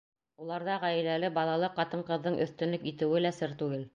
Уларҙа ғаиләле, балалы ҡатын-ҡыҙҙың өҫтөнлөк итеүе лә сер түгел.